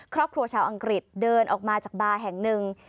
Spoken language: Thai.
ชาวอังกฤษเดินออกมาจากบาร์แห่งหนึ่ง